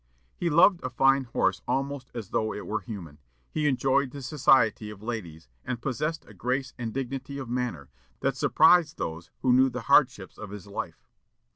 He loved a fine horse almost as though it were human; he enjoyed the society of ladies, and possessed a grace and dignity of manner that surprised those who knew the hardships of his life.